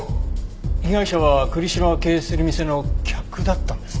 被害者は栗城が経営する店の客だったんですね。